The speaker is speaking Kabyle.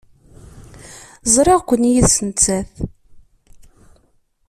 Ẓriɣ-ken yid-s nettat.